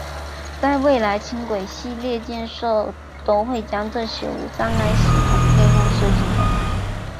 在未来轻轨系统建设上都会将这些无障碍系统列入设计中。